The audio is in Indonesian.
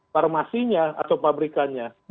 farmasinya atau pabrikannya